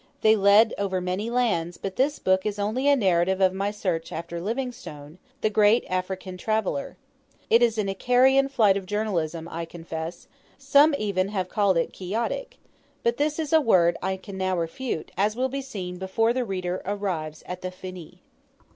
They led over many lands, but this book is only a narrative of my search after Livingstone, the great African traveller. It is an Icarian flight of journalism, I confess; some even have called it Quixotic; but this is a word I can now refute, as will be seen before the reader arrives at the "Finis."